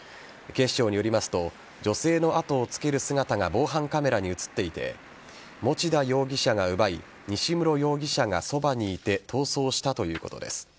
警視庁によりますと女性の後ろをつける姿が防犯カメラに映っていて持田容疑者が奪い西室容疑者がそばにいて逃走したということです。